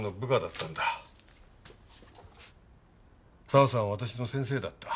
沢さんは私の先生だった。